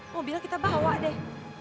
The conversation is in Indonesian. mau bilang kita bawa deh